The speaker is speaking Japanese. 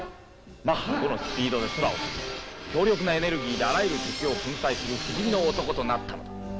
マッハ５のスピードで空を飛び強力なエネルギーであらゆる敵を粉砕する不死身の男となったのだ。